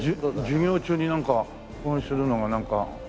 授業中になんかするのがなんか。